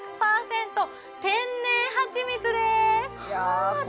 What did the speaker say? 天然はちみつですうわ